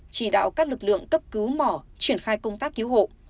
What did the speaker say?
chỉ đạo các lực lượng cấp cứu mỏ triển khai công tác cứu hộ